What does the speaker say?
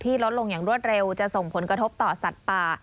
ลดลงอย่างรวดเร็วจะส่งผลกระทบต่อสัตว์ป่า